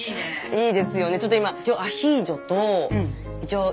いいですよね